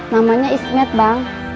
namanya ismet bang